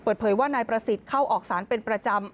เปิดเผยว่านายประสิทธิ์เข้าออกสารเป็นประจำ